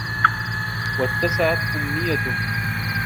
وَاتَّسَعَتْ أُمْنِيَّتُهُ